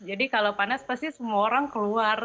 jadi kalau panas pasti semua orang keluar